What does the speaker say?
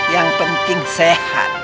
yang penting sehat